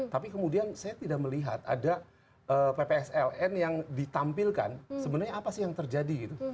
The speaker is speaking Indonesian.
tapi kemudian saya tidak melihat ada ppsln yang ditampilkan sebenarnya apa sih yang terjadi gitu